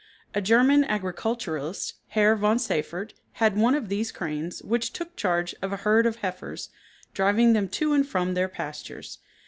A German agriculturist, Herr von Seyffert, had one of these cranes which took charge of a herd of heifers, driving them to and from their pastures.